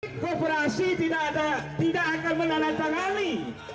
kooperasi tidak akan menanam tangani